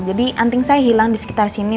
jadi anting saya hilang disekitar sini